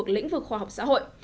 lĩnh vực khoa học xã hội